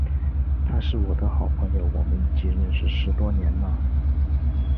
他是我的好朋友，我们已经认识十多年了。